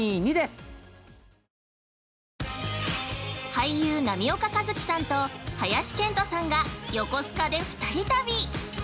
◆俳優、波岡一喜さんと林遣都さんが横須賀で２人旅。